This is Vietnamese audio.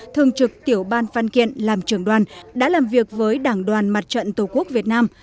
thường trực tiểu ban văn kiện làm trưởng đoàn đã làm việc với đảng đoàn mặt trận tổ quốc việt nam